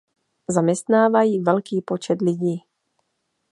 Zaměstnávají velký počet lidí.